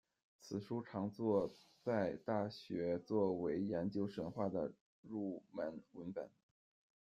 此书常作在大学作为研究神话的入门文本。